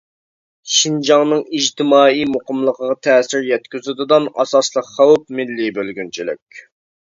شىنجاڭنىڭ ئىجتىمائىي مۇقىملىقىغا تەسىر يەتكۈزىدىغان ئاساسلىق خەۋپ مىللىي بۆلگۈنچىلىك.